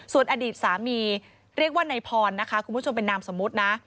ส่วนอดีตสามีเรียกว่าในพรคุณผู้ชมไปนำสมมุตินะ